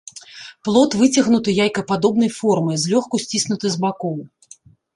Плод выцягнутай яйкападобнай формы, злёгку сціснуты з бакоў.